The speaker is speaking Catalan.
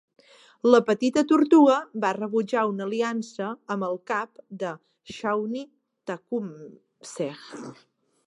La petita tortuga va rebutjar una aliança amb el cap de Shawnee Tecumseh.